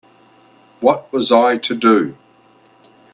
What was I to do?